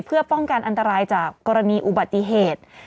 เพื่อป้องกันอันตรายจากกรณีอุบัติเหตุ